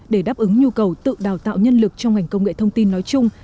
để đáp ứng nhu cầu tự đào tạo nhân lực trong ngành công nghệ thông tin nói chung